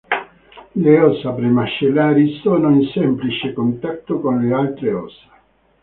Le ossa pre-mascellari sono in semplice contatto con le altre ossa.